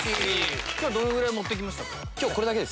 今日どのぐらい持ってきましたか？